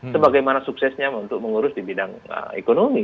sebagaimana suksesnya untuk mengurus di bidang ekonomi